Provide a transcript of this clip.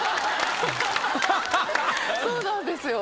そうなんですよ。